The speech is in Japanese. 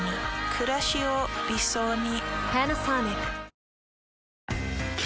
くらしを理想に。